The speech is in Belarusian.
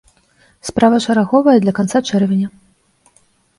Справа шараговая для канца чэрвеня.